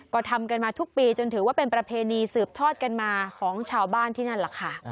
ก็ทำกันมาทุกปีจนถือว่าเป็นประเพณีสืบทอดกันมาของชาวบ้านที่นั่นแหละค่ะ